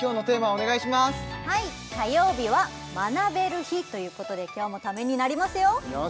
はい火曜日は学べる日ということで今日もためになりますよ